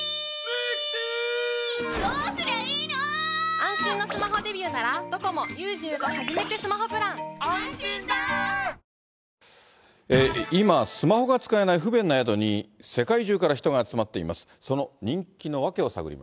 電波がない秘境宿に、今、スマホが使えない不便な宿に、世界中から人が集まっています。